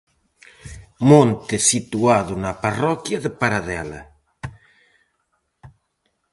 Monte situado na parroquia de Paradela.